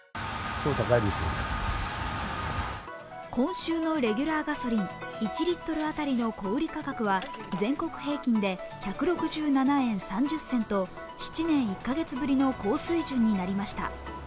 今週のレギュラーガソリン１リットル当たりの小売価格は全国平均で１６７円３０銭と７年１カ月ぶりの高水準になりました。